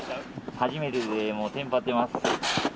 初めてでもうてんぱってます。